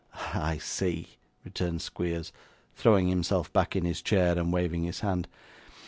'I see,' returned Squeers, throwing himself back in his chair, and waving his hand.